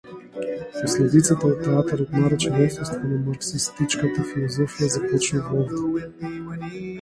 Последицата од театарот наречен отсуство на марксистичката филозофија, започнува овде.